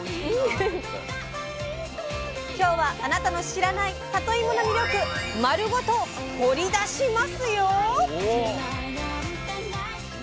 今日はあなたの知らないさといもの魅力丸ごと掘り出しますよ！